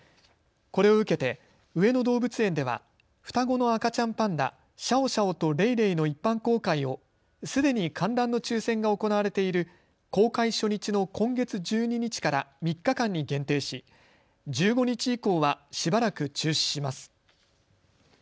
これを受けて上野動物園では双子の赤ちゃんパンダ、シャオシャオとレイレイの一般公開をすでに観覧の抽せんが行われている公開初日の今月１２日から３日間に限定し１５日以降はしばらく中止します。